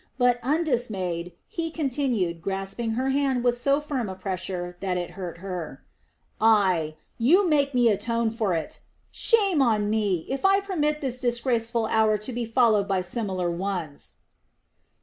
But, undismayed, he continued, grasping her hand with so firm a pressure that it hurt her: "Aye, you make me atone for it! Shame on me, if I permit this disgraceful hour to be followed by similar ones."